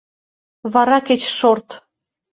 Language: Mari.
Вара кеч шорт!